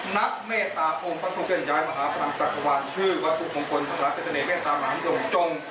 นักเมตตาโภงพันธุเกิ้ลย้ายมหาพรรณกัฐวันชื่อวัตถุมงคลภรรณเกษณเมตตามหลานยมจง